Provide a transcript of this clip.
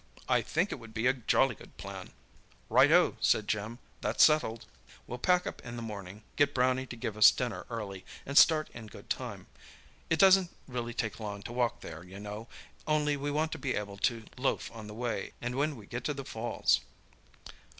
"I think it would be a jolly good plan." "Right oh!" said Jim. "That's settled. We'll pack up in the morning, get Brownie to give us dinner early, and start in good time. It doesn't really take long to walk there, you know, only we want to be able to loaf on the way, and when we get to the falls."